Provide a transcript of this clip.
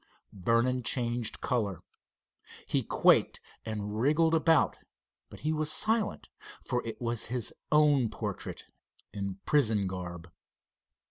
Vernon changed color. He quaked and wriggled about, but he was silent, for it was his own portrait, in prison garb.